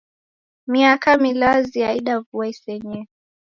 Miaka milazi yaida vua isenyee